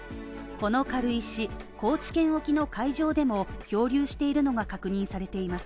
この軽石、高知県沖の海上でも、漂流しているのが確認されています。